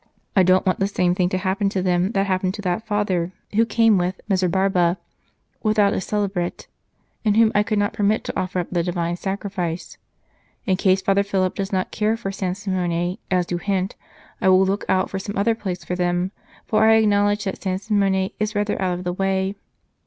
I don t want the same thing to happen to them that hap pened to that father who came with Mezzabarba without his celebret, and whom I could not permit to offer up the Divine Sacrifice. In case Father Philip does not care for San Simone, as you hint, I will look out for some other place for them, for I acknowledge that San Simone is rather out of the way."